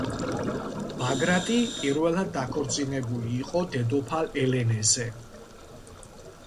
ბაგრატი პირველად დაქორწინებული იყო დედოფალ ელენეზე.